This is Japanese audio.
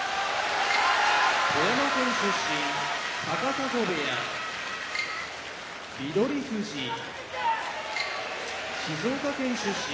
富山県出身高砂部屋翠富士静岡県出身